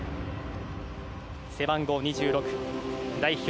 背番号２６代表